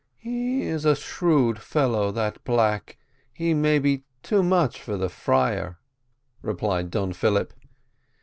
"He is a shrewd fellow, that black; he may be too much for the friar," replied Don Philip.